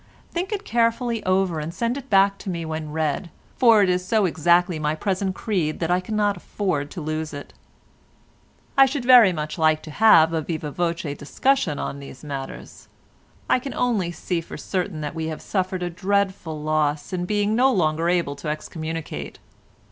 Think it carefully over and send it back to me when read, for it is so exactly my present creed that I cannot afford to lose it. "I should very much like to have a viva voce discussion on these matters: I can only see for certain that we have suffered a dreadful loss in being no longer able to excommunicate.